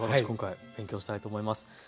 今回勉強したいと思います。